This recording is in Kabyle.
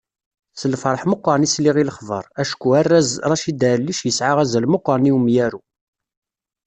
S lferḥ meqqren i sliɣ i lexbar, acku arraz Racid Ɛellic yesɛa azal meqqren i umyaru.